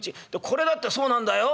これだってそうなんだよ。